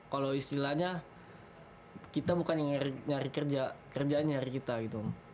kalau istilahnya kita bukan yang nyari kerja kerjaannya nyari kita gitu om